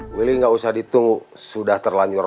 willy gak usah ditunggu sudah terlanjur lolos